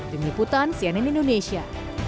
dengiputan cnn indonesia